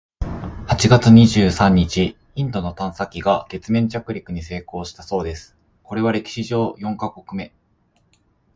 八月二十三日、インドの探査機が月面着陸に成功したそうです！（これは歴史上四カ国目！）